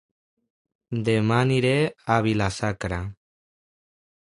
Dema aniré a Vila-sacra